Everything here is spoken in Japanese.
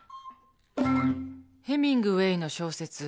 ヘミングウェーの小説